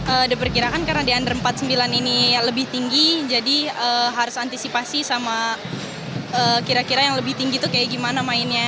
ya diperkirakan karena di under empat puluh sembilan ini lebih tinggi jadi harus antisipasi sama kira kira yang lebih tinggi itu kayak gimana mainnya